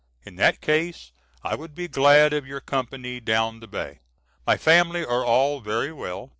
In that case I would be glad of your company down the bay. My family are all very well.